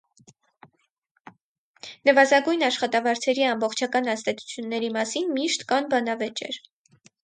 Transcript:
Նվազագույն աշխատավարձերի ամբողջական ազդեցությունների մասին միշտ կան բանավեճեր։